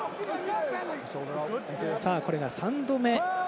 これが３度目。